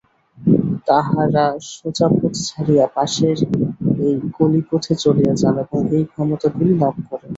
তাঁহারা সোজা পথ ছাড়িয়া পাশের এক গলিপথে চলিয়া যান এবং এই ক্ষমতাগুলি লাভ করেন।